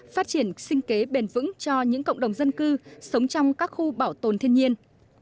phát triển sinh kế bền vững cho những cộng đồng dân cư sống trong các khu bảo tồn thiên nhiên